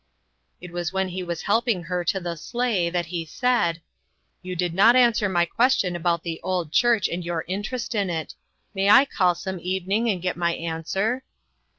It was when he was helping her to the sleigh that he said :" You did not answer my question about the old church and your interest in it ; may I call some evening, and get my answer?"